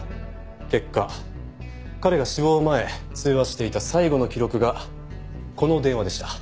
結果彼が死亡前通話していた最後の記録がこの電話でした。